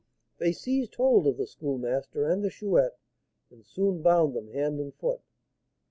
They seized hold of the Schoolmaster and the Chouette, and soon bound them hand and foot.